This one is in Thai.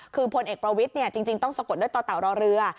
คือพลเอกประวิทย์จริงต้องสะกดด้วยต่อเต่ารอเรือ